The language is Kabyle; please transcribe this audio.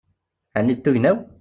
Ɛni d tugna-w?